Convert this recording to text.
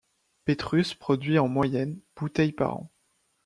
Petrus produit en moyenne bouteilles par an.